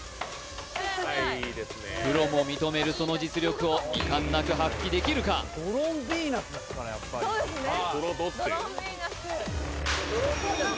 プロも認めるその実力を遺憾なく発揮できるかうわっあっ